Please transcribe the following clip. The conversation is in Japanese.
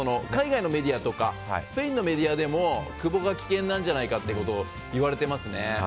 スペインのメディアでも久保が危険なんじゃないかっていわれてますね。